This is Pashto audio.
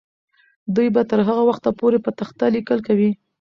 دوی به تر هغه وخته پورې په تخته لیکل کوي.